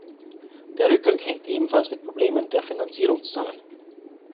Der Rückgang hängt ebenfalls mit Problemen der Finanzierung zusammen.